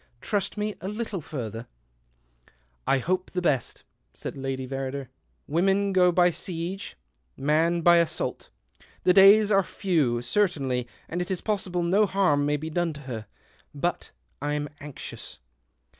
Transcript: Trust me a little further." " I hope the best," Lady Verrider said. " Women go by siege, man by assault. The days are few, certainly, and it is possible no harm may be done to her. But I'm anxious."